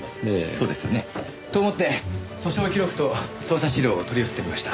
そうですよね。と思って訴訟記録と捜査資料を取り寄せてみました。